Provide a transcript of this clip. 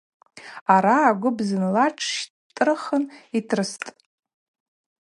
Араъа агвып зынла тшщтӏырхын йтрыстӏ.